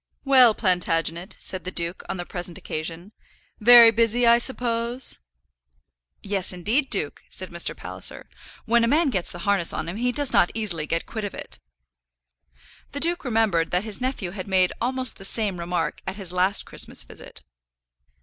"Well, Plantagenet," said the duke, on the present occasion, "very busy, I suppose?" "Yes, indeed, duke," said Mr. Palliser. "When a man gets the harness on him he does not easily get quit of it." The duke remembered that his nephew had made almost the same remark at his last Christmas visit.